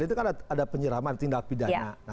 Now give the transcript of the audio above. itu kan ada penyiraman tindak pidana